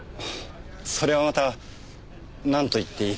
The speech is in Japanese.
それはまたなんと言っていいか。